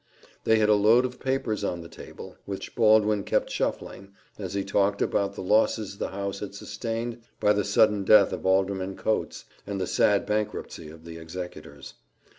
They had a load of papers on the table, which Baldwin kept shuffling, as he talked about the losses the house had sustained by the sudden death of Alderman Coates, and the sad bankruptcy of the executors.